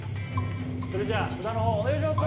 それじゃ札の方お願いします